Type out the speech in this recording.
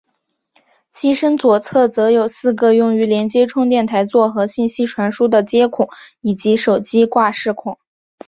机身左侧则有四个用于连接充电台座和信息传输的接孔以及手机挂饰孔。